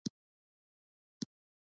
استعمار تګ مرسته ونه کړه